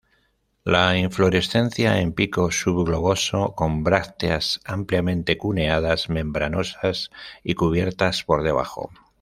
La inflorescencia en pico subgloboso, con brácteas ampliamente cuneadas, membranosas y cubiertas por debajo.